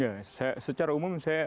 ya secara umum saya